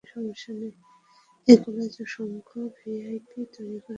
এই কলেজ অসংখ্য ভিআইপি তৈরী করেছে।